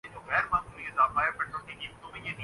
انسان ایک محدود دائرے ہی میں بروئے کار آ سکتا ہے۔